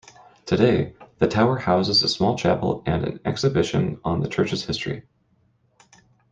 Today, the tower houses a small chapel and an exhibition on the church's history.